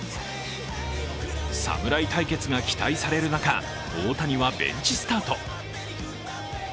侍対決が期待される中大谷はベンチスタート。